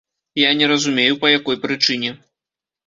Я не разумею, па якой прычыне.